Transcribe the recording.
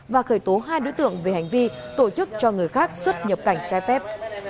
và khởi tố hai đối tượng về hành vi tổ chức cho người khác xuất nhập cảnh trái phép